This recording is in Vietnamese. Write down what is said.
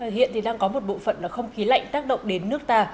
hiện thì đang có một bộ phận không khí lạnh tác động đến nước ta